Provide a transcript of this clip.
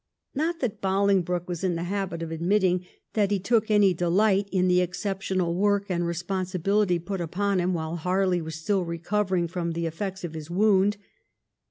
Not that Bolingbroke was in the habit of admitting that he took any delight in the exceptional work and responsibihty put upon him while Harley was still recovering from the effects of his wound.